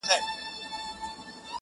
زما گلاب زما سپرليه؛ ستا خبر نه راځي؛